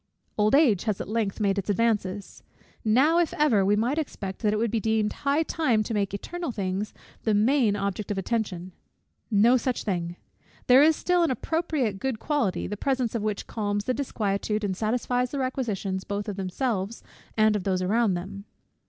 Old age has at length made its advances. Now, if ever, we might expect that it would be deemed high time to make eternal things the main object of attention. No such thing! There is still an appropriate good quality, the presence of which calms the disquietude, and satisfies the requisitions both of themselves and of those around them.